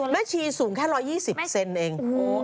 ชีสูงแค่๑๒๐เซนเอง